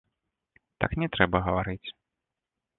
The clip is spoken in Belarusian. Так не трэба гаварыць.